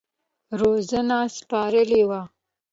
روزنه سپارلې وه.